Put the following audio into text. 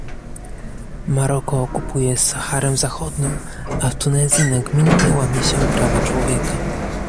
Maroko okupuje Saharę Zachodnią, a w Tunezji nagminnie łamie się prawa człowieka